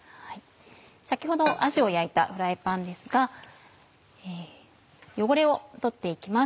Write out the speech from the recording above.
先ほどあじを焼いたフライパンですが汚れを取って行きます。